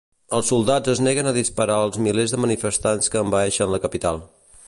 Els soldats es neguen a disparar als milers de manifestants que envaeixen la capital.